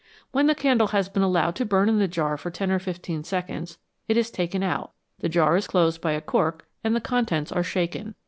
When the candle has been allowed to burn in the jar for ten or fifteen seconds, it is taken out, the jar is closed by a cork, and the contents are shaken.